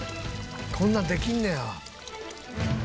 こんなんできんねや。